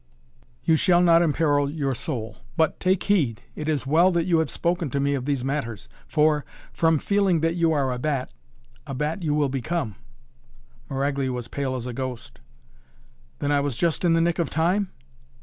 "You shall not imperil your soul! But take heed! It is well that you have spoken to me of these matters. For, from feeling that you are a bat, a bat you will become." Maraglia was pale as a ghost. "Then I was just in the nick of time?"